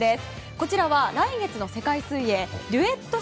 こちらは来月の世界水泳デュエット